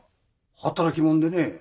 働きもんでね。